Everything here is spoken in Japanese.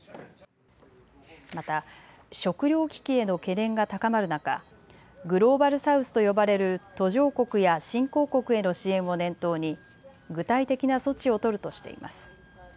また食料危機への懸念が高まる中、グローバル・サウスと呼ばれる途上国や新興国への支援を念頭に具体的な措置を取るとしています。